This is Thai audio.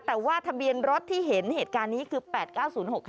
แต่ว่าทะเบียนรถที่เห็นเหตุการณ์นี้คือ๘๙๐๖๕